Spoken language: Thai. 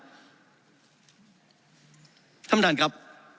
ท่านพันธุ์ท่านครับ